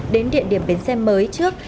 đến địa điểm bến xe mới trước